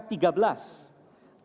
angka ini pernah turun sejauh ini